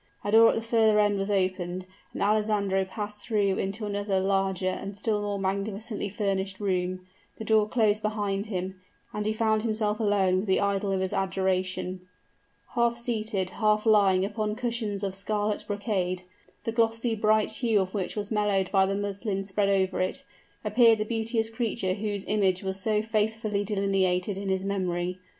A door at the further end was opened, and Alessandro passed through into another, larger, and still more magnificently furnished room; the door closed behind him, and he found himself alone with the idol of his adoration. Half seated, half lying upon cushions of scarlet brocade, the glossy bright hue of which was mellowed by the muslin spread over it, appeared the beauteous creature whose image was so faithfully delineated in his memory.